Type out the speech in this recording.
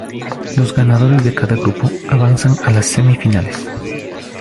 Los ganadores de cada grupo avanzan a las semifinales.